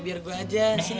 biar gue aja sih